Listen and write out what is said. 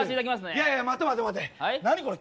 いやいや待て待て待て。